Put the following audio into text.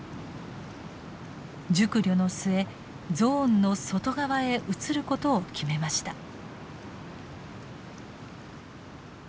熟慮の末ゾーンの外側へ移ることを決めました。